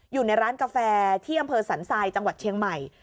อยู่ในร้านกาแฟที่อำเภอสันทรายจังหวัดเชียงใหม่